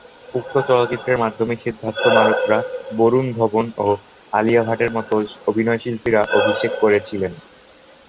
উক্ত চলচ্চিত্রের মাধ্যমে সিদ্ধার্থ মালহোত্রা, বরুণ ধবন ও আলিয়া ভাটের মতো অভিনয়শিল্পীরা অভিষেক করেছিলেন।